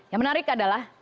yang menarik adalah